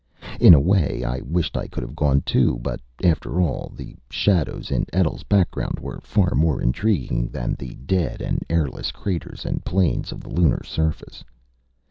In a way, I wished I could have gone, too; but, after all, the shadows in Etl's background were far more intriguing than the dead and airless craters and plains of the lunar surface.